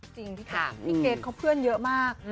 จริงพี่เกรทเขาเพื่อนเยอะมาก